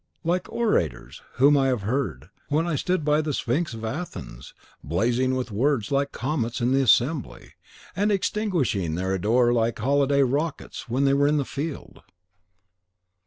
Like orators whom I have heard, when I stood by the Pnyx of Athens, blazing with words like comets in the assembly, and extinguishing their ardour like holiday rockets when they were in the field.